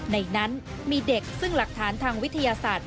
ในนั้นมีเด็กซึ่งหลักฐานทางวิทยาศาสตร์